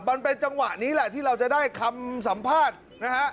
มันเป็นจังหวะนี้แหละที่เราจะได้คำสัมภาษณ์นะฮะ